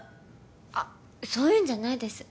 あそういうんじゃないです